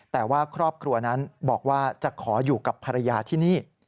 แต่ว่าครอบครัวนั้นบอกว่าจะขออยู่กับภรรยาที่นี่